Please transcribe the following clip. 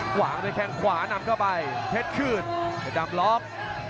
หวากด้วยข้างขวานำเข้าไปเพชรคืนเพชรดำล็อก